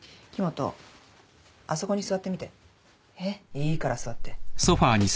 いいから座って。